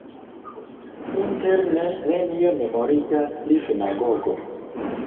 Interne nenio memorigas pri sinagogo.